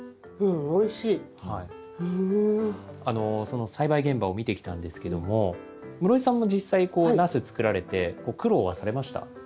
その栽培現場を見てきたんですけども室井さんも実際こうナス作られて苦労はされました？